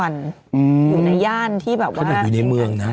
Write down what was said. อยู่ในย่านที่แบบว่าอยู่ในเมืองนะ